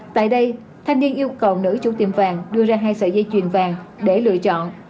tại đây thanh niên yêu cầu nữ chủ tiệm vàng đưa ra hai sợi dây chuyền vàng để lựa chọn